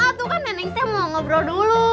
atuh kan nenek teh mau ngobrol dulu